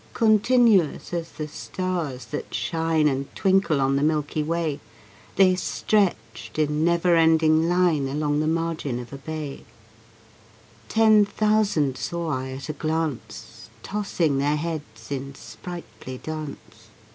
Continuous as the stars that shine And twinkle on the milky way, They stretched in never ending line Along the margin of a bay; Ten thousand saw I at a glance, Tossing their heads in sprightly dance.